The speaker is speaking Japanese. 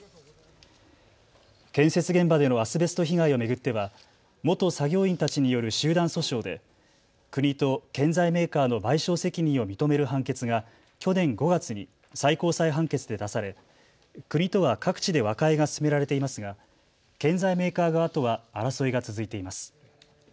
建設現場でのアスベスト被害を巡っては元作業員たちによる集団訴訟で国と建材メーカーの賠償責任を認める判決が去年５月に最高裁判決で出され、国とは各地で和解が進められていますが建材メーカー側とは争いが続いています。